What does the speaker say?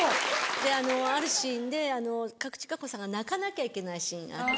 あるシーンで賀来千香子さんが泣かなきゃいけないシーンあって。